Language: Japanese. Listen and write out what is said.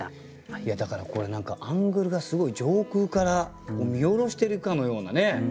いやだからこれ何かアングルがすごい上空から見下ろしてるかのようなね